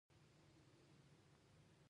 تا چې د خولګۍ وعده سبا پورې معطله کړه